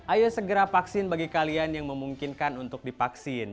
ayo segera vaksin bagi kalian yang memungkinkan untuk divaksin